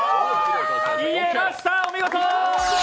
言えました、お見事！